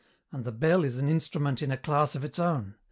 And the bell is an instrument in a class of its own.